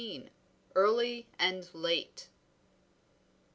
EARLY AND LATE.